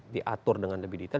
diatur dengan lebih detail